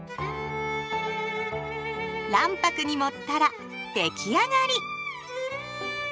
卵白に盛ったら出来上がり。